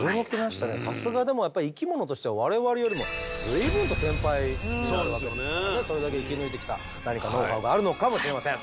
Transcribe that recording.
さすがでもやっぱり生き物としては我々よりも随分と先輩になるわけですからねそれだけ生き抜いてきた何かノウハウがあるのかもしれません。